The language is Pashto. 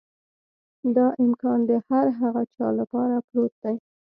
دا امکان د هر هغه چا لپاره پروت دی.